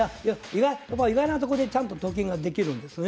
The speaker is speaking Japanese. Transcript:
意外なとこでちゃんとと金ができるんですね。